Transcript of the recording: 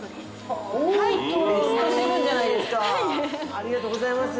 ありがとうございます。